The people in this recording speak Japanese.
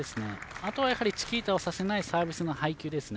あとはチキータをさせないサービスの配球ですね。